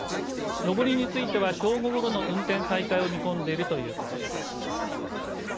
上りについては正午ごろの運転再開を見込んでいるということです。